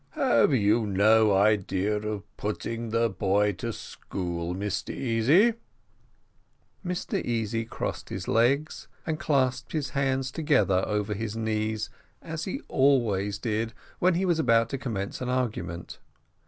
"Have you no idea of putting the boy to school, Mr Easy?" Mr Easy crossed his legs, and clasped his hands together over his knees, as he always did when he was about to commence an argument.